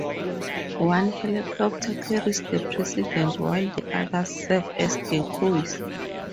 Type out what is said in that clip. One helicopter carries the President, while the others serve as decoys.